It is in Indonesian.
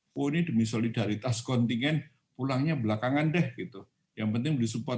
oh ini demi solidaritas kontingen pulangnya belakangan deh gitu yang penting disupport